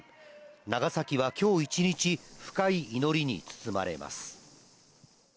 長崎はきょう一日、深い祈りに包まれます。